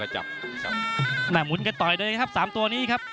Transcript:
หมุนกระต่อยด้วย๓ตัวนี้ครับ